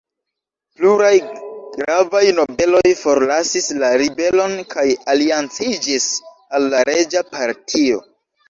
Pluraj gravaj nobeloj forlasis la ribelon kaj alianciĝis al la reĝa partio.